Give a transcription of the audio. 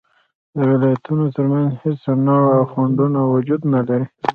د ولایتونو تر منځ هیڅ نوعه خنډونه وجود نلري